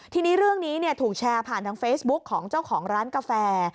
ทีนี้เรื่องนี้ถูกแชร์ผ่านทางเฟซบุ๊คของเจ้าของร้านกาแฟ